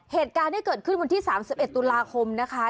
เหตุการณ์ที่เกิดขึ้นวันที่๓๑ตุลาคมนะคะ